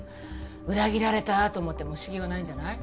裏切られたと思っても不思議はないんじゃない？